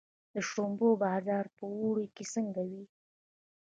د شړومبو بازار په اوړي کې څنګه وي؟